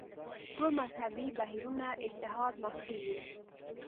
ټول مذهبي بهیرونه اجتهاد محصول وو